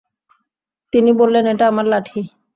তিনি বললেন, এটা আমার লাঠি।